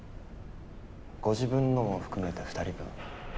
ご自分のも含めて２人分。